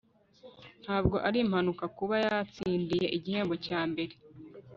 Ntabwo ari impanuka kuba yatsindiye igihembo cya mbere